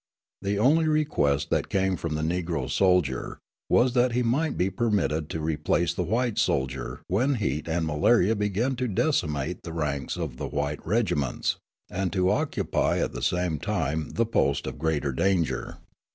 The only request that came from the Negro soldier was that he might be permitted to replace the white soldier when heat and malaria began to decimate the ranks of the white regiments, and to occupy at the same time the post of greater danger.